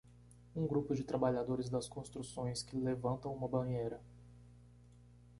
Um grupo de trabalhadores das construções que levantam uma banheira.